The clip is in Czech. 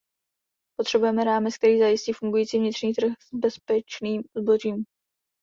Potřebujeme rámec, který zajistí fungující vnitřní trh s bezpečným zbožím.